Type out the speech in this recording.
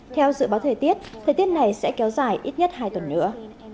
theo dự báo thời tiết thời tiết này sẽ kéo dài ít nhất hai tuần nữa